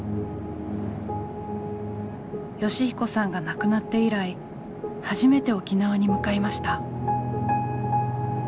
善彦さんが亡くなって以来初めて沖縄に向かいました。